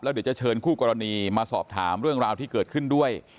เดี๋ยวจะเชิญคู่กรณีมาสอบถามเรื่องราวที่เกิดขึ้นด้วย